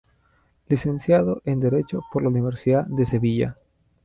Licenciado en Derecho por la Universidad de Sevilla.